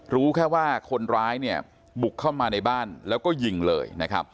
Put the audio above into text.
รู้แค่ว่าคนร้ายบุกเข้ามาในบ้านแล้วก็ยิงเลย